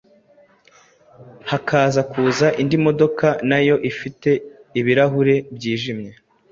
hakaza kuza indi modoka nayo ifite ibirahuri byijimye,